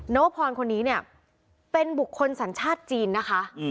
วพรคนนี้เนี่ยเป็นบุคคลสัญชาติจีนนะคะ